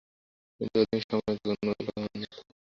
কিন্তু অধিকাংশ সময় ওকে উন্মাদ বলেই মনে হত।